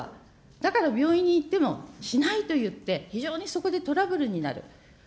だから病院に行ってもしないといって、非常にそこでトラブルになる。